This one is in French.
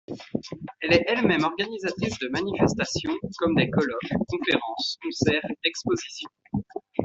Elle est elle-même organisatrice de manifestations, comme des colloques, conférences, concerts, expositions.